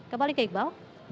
kembali ke iqbal